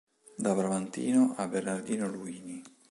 Da Bramantino a Bernardino Luini.